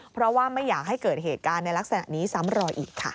เพราะว่าไม่อยากให้เกิดเหตุการณ์ในลักษณะนี้ซ้ำรอยอีกค่ะ